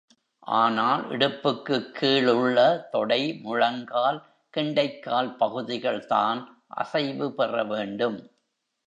ஆனால் இடுப்புக்குக் கீழ் உள்ள தொடை, முழங்கால் கெண்டைக்கால் பகுதிகள் தான் அசைவு பெற வேண்டும்.